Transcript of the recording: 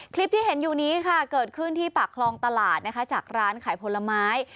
คลิปที่เห็นอยู่นี้ค่ะเกิดขึ้นที่ปากคลองตลาดนะคะจากร้านขายผลไม้